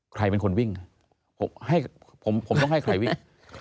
ใครเป็นคนวิ่งผมต้องให้ใครวิ่ง